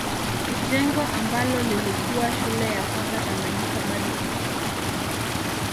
Jengo ambalo lilikuwa shule ya kwanza Tanganyika bado iko.